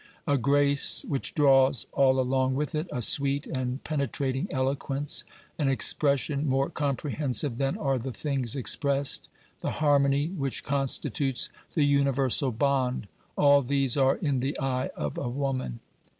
A grace which draws all along with it, a sweet and pene trating eloquence, an expression more comprehensive than are the things expressed, the harmony which constitutes the universal bond — all these are in the eye of a woman.